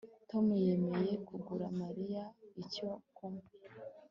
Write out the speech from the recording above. Tom yemeye kugura Mariya icyo kunywa